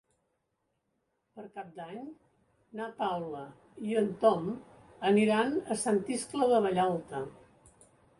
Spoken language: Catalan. Per Cap d'Any na Paula i en Tom aniran a Sant Iscle de Vallalta.